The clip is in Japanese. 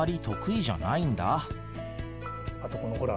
あとこのほら。